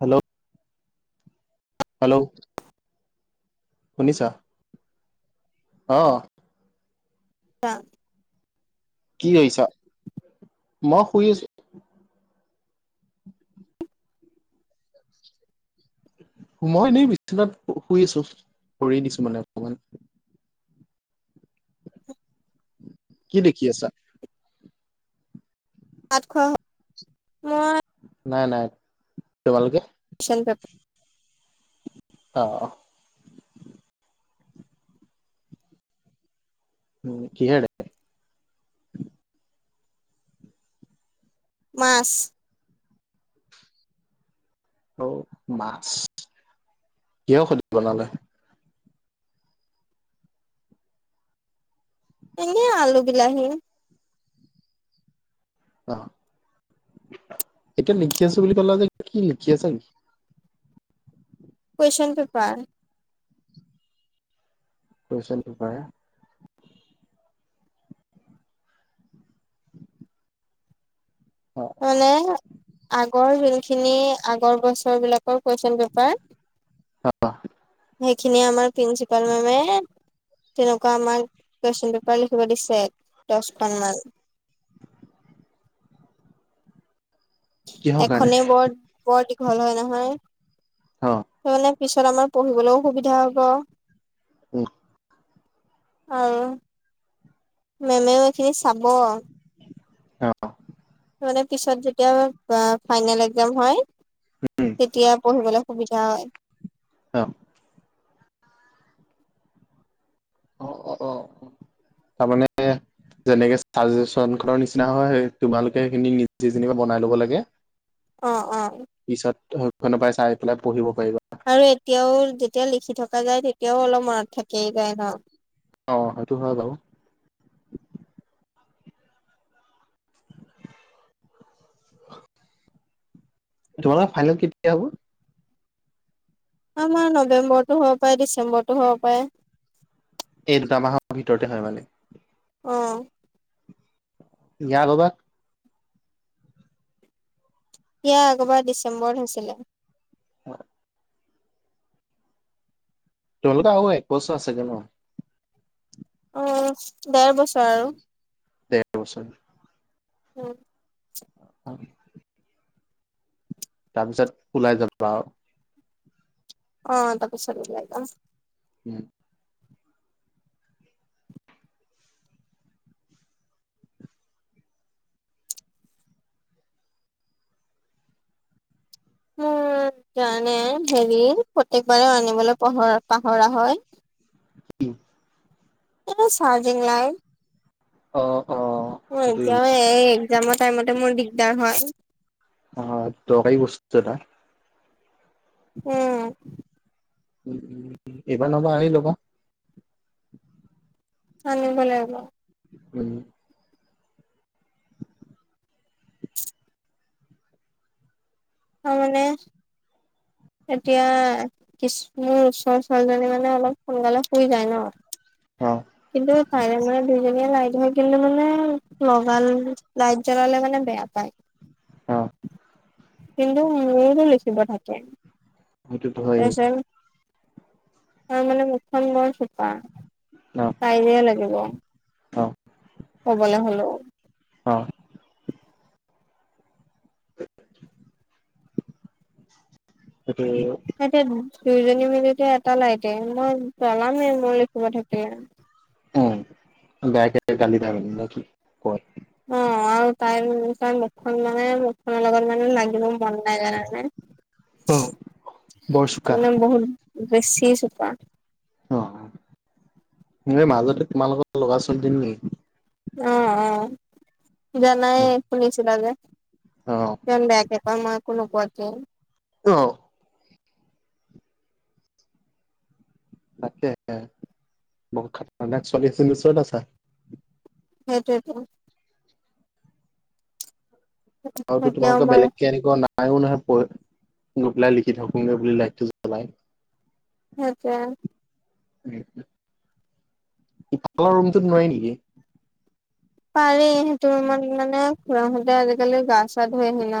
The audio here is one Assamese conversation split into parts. হেল্ল'? হেল্ল'? শুনিছা? অ'। [unintelligible] কি কৰিছা? মই শুই আছোঁ। মই এনেই বিচনাত শুই আছোঁ, পৰি দিছোঁ মানে অকমান। [inaudible] কি লেখি আছা? ভাত খোৱা হ'ল? মই নাই-নাই, তোমালোকে? কুয়েশ্বন পেপাৰ অ', অ'। উম, কি হেৰে? মাছ। অ', মাছ। কিয় সুধি বনালে? এনে আলু বিলাহী। অ', এতিয়া লিখি আছোঁ বুলি কলা যে কি লিখি আছা? Question paper. Question paper? অ'। মানে আগৰ সেইখিনি আগৰ বছৰ বিলাক কুয়েশ্বন পেপাৰ, সেখিনি আমাৰ প্ৰিন্সিপাল মেমে তেনেকুৱা আমাক কুৱেশন পেপাৰ লিখিব দিছে, দহখন মান। কিহৰ কাৰণে এখনেই বৰ-বৰ দীঘল হয় নহয়। অ মানে পিছত আমাৰ পঢ়িবলৈও সুবিধা হ'ব। উম। অৰো মেমেও এইখিনি চাব। অ'। মানে পিছত যেতিয়া আ, ফাইনেল এক্জাম হয়। উম। তেতিয়া পঢ়িবলৈ সুবিধা হয়। অ'। [inaudible] তাৰ মানে যেনেকে চাজেচ খনৰ নিচিনা হয়, সেই তোমালোকে সেইখিনি নিজে যেনিবা বনাই ল'ব লাগে? অ', অ'। পিছত শৈখনৰৰ পৰাই চাই পেলাই পঢ়িব পাৰিবা। আৰু এতিয়াও যেতিয়া লিখি থকা যায় তেতিয়াও অলপ মনত থাকেই যায় ন? অ', সেইটো হয় বাউ। তোমালোকৰ ফাইনেল কেতিয়া হ'ব? আমাৰ নৱেম্বৰতটো হ'ব, পাৰে ডিচেম্বৰতটো হ'ব পাৰে। এই দুটা মাহৰ ভিতৰতে হয় মানে? অ'। ইয়া বাবা সিয়া আগবাৰ ডিচেম্বৰ হৈছিলে। [unintelligible] তোলোকৰ আৰু একবছৰ আছেগে ন? অ ডেৰ বছৰ আৰু। ডেৰ বছৰ [unintelligible] হয়। তাৰপিছত ওলাই যাবা আও। অ' তপাছত উলাই যাম। উম। উম, জানানে হেৰি, প্ৰত্যেক বাৰে আনিবলৈ পহৰা পাহৰা হয়। [unintelligible] [unintelligible] চাৰ্জিং লাইত। অ অ। অ সেইটো এতিয়া এই এক্জামৰ টাইমতে মোৰ দিগদাৰ হয়। অ দৰকাৰী বস্তু এটা। উম। উম এইবাৰ নহবা আনি লবা। আনিব লাগিব। উম। অ মানে, এতিয়া ইছ, মোৰ ওচৰ ছোৱালীজনী মানে অলপ সোনকালে শুই যায় ন অ। কিন্তু তাই মানে দুইজনীয়ে লাইট হৈ কিন্তু মানে লগালে, লাইট জ্বলালে মানে বেয়া পায়। [inaudible] অ'। কিন্তু মোৰটো লিখিব থাকে। সেইটোতো হয়েই তাৰপিছত, তাই মানে মুথ‌ খন বৰ চোকা। অ। কাইযিয়া লাগিব অ। ক'বলে হলেও। অ। [inaudible] সেইটো [unintelligible] এ এতিয়া দুইজনী মিলিতে এটা লাইটে, মই জ্বলামেই মোৰ লিখিব থাকিলে। উম বেয়াকে গালি [unintelligible] দি থাকে নেকি তোক কয়? অ আৰু তাই, তাই মুখখন মানে মুখখনৰ লগত লাগিব মন নাই, জানানে। অ বৰ চোকা তাৰমানে বহুত, বেছি চোকা। অ', মাজতে তোমালোকৰ লগত লগা ছোৱালীজনী নেকি? অ-অ, জানাই শুনিছিলা যে! অ'। ইমান বেয়াকে কয় মই একো নোকোৱাকেই। অ [unintelligible] বাদ দে, [unintelligible] বহুত খাতাৰ্নাক ছোৱালী এজনীৰ ওচৰত আছা। সেইটোৱেইটো। আৰু টো এতিয়াও তোমোলোকে মই বেলেগ কেনেকুৱা পায়ো নহয় পঢ়, গৈপেলাই লিখি থাকোগে বুলি, লাইটটো জ্বলাই। [unintelligible] [unintelligible] ইফালৰ ৰুমতোট নোৱাৰি নেকি। পাৰি সেইটো ৰুমত মানে খুৰাহঁতে আজিকালি গা চা ধুই আহি ন,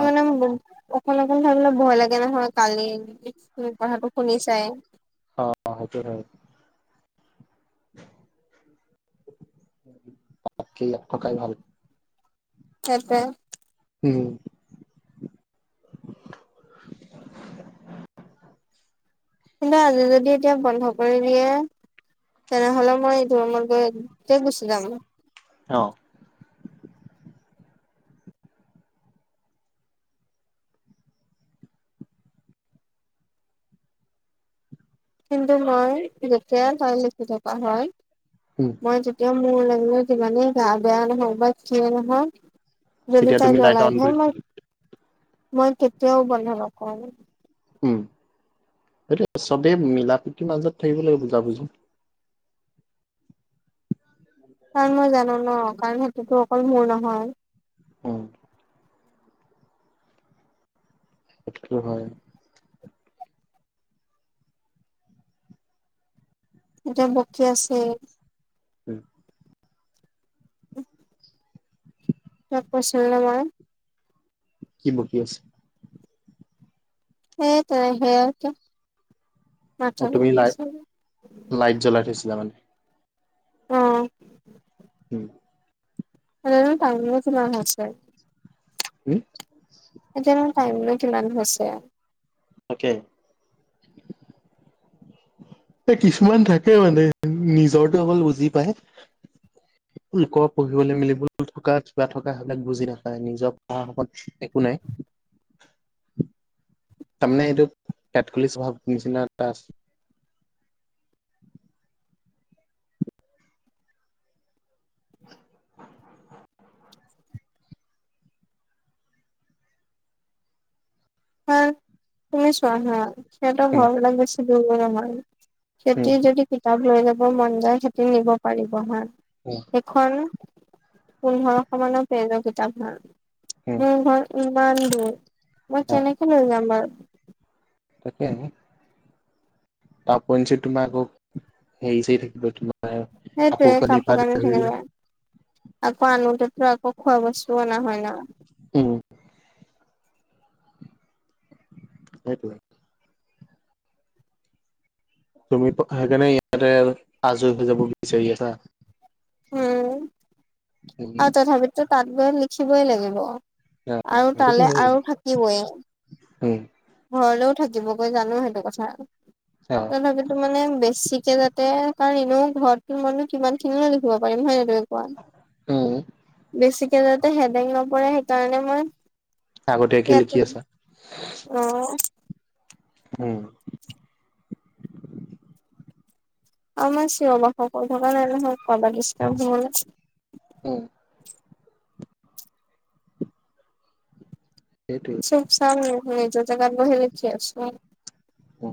অ মোৰ বহুত, অকলে অকলে থাকিবলে ভয় লাগে নহয় কালি কথাটো শুনি চাই। অ সেইটো হয়। তাতকে নথকাই ভাল। সেইটোৱে। উম, কিন্তু আজি যদি এতিয়া বন্ধ কৰি দিয়ে। তেনেহ'লে মই ৰুমত গৈ গুচি যাম। অ কিন্তু মই যেতিয়াাই তাত লিখি থকা হয়। উম মই যেতিয়া মোৰ লাগিলে যিমানেই গা বেয়া নহওক বা যিয়ে নহওক। যদি তেতিয়া তাই তুমি লাইট জ্বলাই অন থৈ কৰি থব মই লাগিব মই কেতিয়াও বন্ধ নকৰো। উম সেইটো চবেই মিলা প্ৰীতিৰ মাজত থাকিব লাগিব বুজাবুজি। কাৰণ মই জানো ন কাৰণ সেইটোতো অকল মোৰ নহয়। উম সেইটো হয়। এতিয়া বকী আছে। উম। [unintelligible] তাক কৈছিলোনে মই। কি বকি আছে। সেই তেনে সেইয়াটো। অ তুমি লাইট, লাইট জ্বলাই থৈছিলা মানে। অ উম, এনেনো তাই [unintelligible] উম। এতিয়ানো টাইমনো কিমান হৈছে? তাকে। এ কিছুমান থাকে মানে নিজৰটো অকল বুজি পায়। একো ইক পঢ়িবলে মিলিব থকা কিবা থকা সেইবিলাক বুজি নাপায় নিজৰ পঢ়া সময়ত, একো নাই। তামানে এইটোত পেতকুলি স্বভাৱ নিচিনা এটা আছে। হয় তুমি চোৱা হা সেত উম ঘৰ বিলাক বেছি দূৰ নহয়। উম সেতি যদি কিতাপ লৈ যাব মন যায় সেতি নিব পাৰিব হা। উম, এখন পোন্ধৰশ মানৰ পেজৰ কিতাপ উম হয় মোৰ ঘৰ, ইমান দূৰ মই অ কেনেকে লৈ যাম বাৰু তাকে হে। তাৰ ওপৰেঞ্চি তোমাৰ আকৌ হেই চেই থাকিব। সেইটোৱে কানিৰ পৰা কাপোৰ কানি ধৰি থাকি লৈ যায়। আকৌ আনোতেতো আকৌ খোৱা বস্তুও অনা হয় ন। উম। সেইটোৱে। তুমি সেইকাণে ইয়াতে আজৰি হৈ যাব বিচাৰি আছা। উম [unintelligible] আৰু তথাপিতো তাত গৈ লিখিবই লাগিব অ আৰু সেইটোতো তালে হয়েই আৰু থাকিবই। উম। ঘৰলেও থাকিবগৈ জানো সেইটো কথা। [unintelligible] তথাপিতো মানে বেছিকে যাতে কাৰণ এনেও ঘৰতনো মইনো কিমানখিনিনো লিখিব পাৰিম, হয় নাই? তুমি কোৱা উম। বেছিকে যাতে হেদেক নপৰে, সেইকাৰণে মই আগতীয়াকে ইয়াতে লিখি আছা? অ'। উম। আমাৰ চিঞৰ বাসৰ কৰি থকা নাই নহয় কাৰবাৰ দিষ্টাব হবলৈ। উম। সেইটোৱে। [unintelligible] নিজৰ জেগাত বহি লিখি আছোঁ। উ।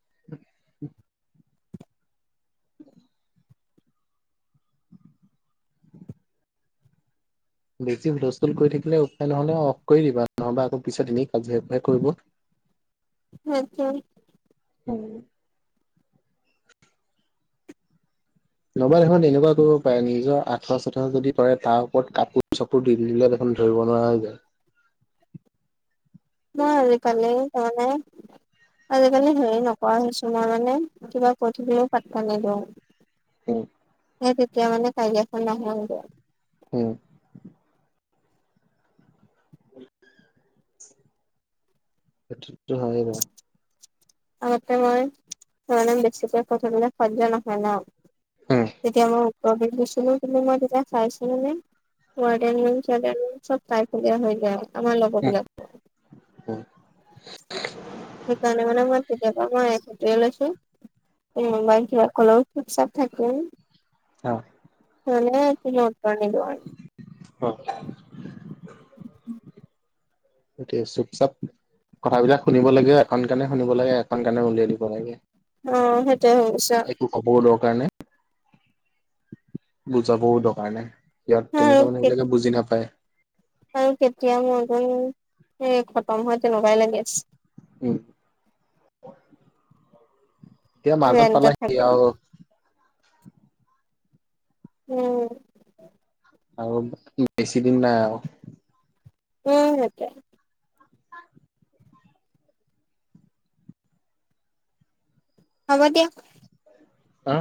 [unintelligible] বেছি হুলস্থুল কৰি থাকিলে উপায় নহ'লে অফ কৰি দিবা নহবা আকৌ পিছত এনে কাজিয়া সূপাহে কৰিব। সেটোৱে। [unintelligible] উম। নবা দেখোন এনেকুৱা কৰিব পাৰে, নিজৰ আঠাৱা- চাঠুৱা যদি পৰে তাৰ ওপৰত কাপোৰ চ দি দিলে দেখোন ধৰিব নোৱাৰা হৈ যায়। মই আজি কালি [unintelligible] আজিকালি হেৰি নকৰা হৈছোঁ মই মানে, কিবা কৈ থাকিলেও পাতটা নিদিও। উম। সেই তেতিয়া মানে কাজিয়াখন নহয় [unintelligible] হুম। সেটো হয় বাৰু। আগতে মই মানে বেছিকৈ কথা কলে শৈয্য নহয় ন? উম, তেতিয়া মই উত্তৰ দি দিছিলোঁ। কিন্তু মই তেতিয়া চাইছিলোঁ নে? [unintelligible] ৱাৰ্দেন সাদেন [unintelligible] চব তাই ফলীয়া হৈ যায়। আমাৰ লগৰ উম, বিলাকো। সেইকাৰণে মানে মই এতিয়াবা মই সেইটোৱে লৈছো। [unintelligible] কোনবাই কিবা কলেও চুপ- চাপ থাকোঁ। অ'। মানে আ কি ম কিব। [unintelligible] অ'। উম। গ চুপ চাপ। কথাবিলাক শুনিব লাগে এখন কানে শুনিব লাগে এখন কানে উলিয়াই দিব লাগে। অ', সেইটোৱে হৈছে। একো কবও দৰকাৰ নাই। বুজাবও দৰকাৰ নাই, ইয়াত আৰু তেনেকুৱা মানুহ বিলাকে বুজি নাপায়। আৰু কেতিয়া মোৰ গুণ এ খতম হয় তেনেকুৱাই লাগি আছে। উম। এতিয়া মাজত ৰেন্টত পালাহি থাকিম আউ উম। আৰু বেছি দিন নাই আউ। উম, সেইটোৱেই। হ'ব দিয়া। হা।